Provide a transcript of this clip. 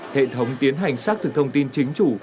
hệ thống tiến hành xác thực thông tin chính chủ